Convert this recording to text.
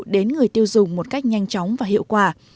đến người tiêu dùng một cách nhanh chóng và hiệu quả